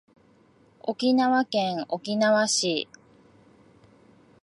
沖縄県沖縄市